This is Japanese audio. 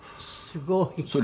すごい。